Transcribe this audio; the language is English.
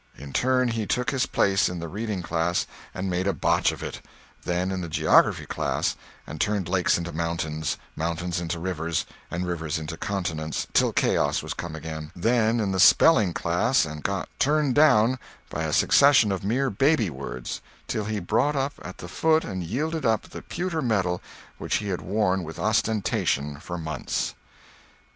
In turn he took his place in the reading class and made a botch of it; then in the geography class and turned lakes into mountains, mountains into rivers, and rivers into continents, till chaos was come again; then in the spelling class, and got "turned down," by a succession of mere baby words, till he brought up at the foot and yielded up the pewter medal which he had worn with ostentation for months.